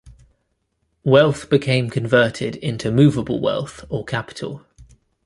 Wealth became converted into movable wealth or capital.